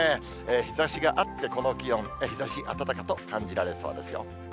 日ざしがあって、この気温、日ざし暖かと感じられそうですよ。